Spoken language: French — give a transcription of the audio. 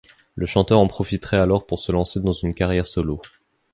Le chanteur en profiterait alors pour se lancer dans une carrière solo.